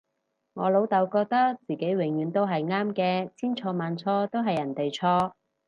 我老竇覺得自己永遠都係啱嘅，千錯萬錯都係人哋錯